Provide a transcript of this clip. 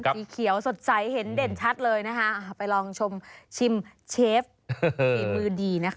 สีเขียวสดใสเห็นเด่นชัดเลยนะคะไปลองชมชิมเชฟฝีมือดีนะคะ